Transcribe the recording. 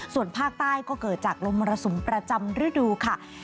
ส่วนภาคใต้ก็เกิดจากลมมรสุมประจำฤดูค่ะ